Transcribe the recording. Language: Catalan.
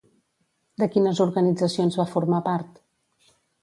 De quines organitzacions va formar part?